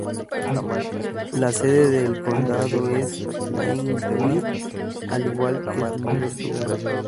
La sede del condado es Plainview, al igual que su mayor ciudad.